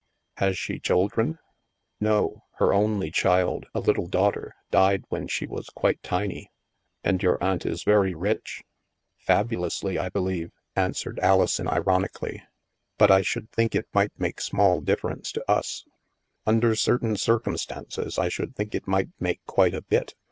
Has she children?" No. Her only child, a little daughter, died "when she was quite tiny." And your aunt is very rich? " Fabulously, I believe," answered Alison iron ically. " But I should think it might make small difference to us." " Under certain circumstances, I should think it might make quite a bit.